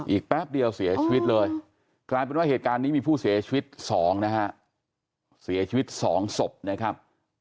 แป๊บเดียวเสียชีวิตเลยกลายเป็นว่าเหตุการณ์นี้มีผู้เสียชีวิต๒นะฮะเสียชีวิต๒ศพนะครับ